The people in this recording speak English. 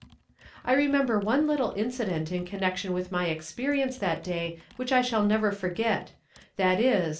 I remember one little incident in connection with my experience that day which I shall never forget, viz.